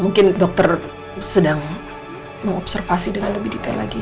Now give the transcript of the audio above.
mungkin dokter sedang mengobservasi dengan lebih detail lagi